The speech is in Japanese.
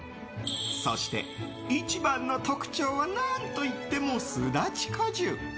そして、一番の特徴は何といっても、すだち果汁。